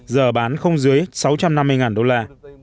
giờ bán không dưới sáu trăm năm mươi đô la